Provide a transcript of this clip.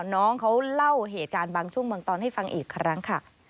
น้องเขาเล่าเหตุการณ์บางช่วงบางตอนให้ฟังอีกครั้งค่ะ